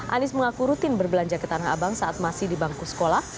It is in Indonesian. anies mengaku rutin berbelanja ke tanah abang saat masih di bangku sekolah